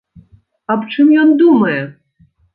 Аб чым ён думае?